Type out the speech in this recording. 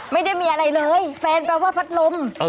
ไม่ได้มีอะไรเลยแฟนแปลว่าพัดลม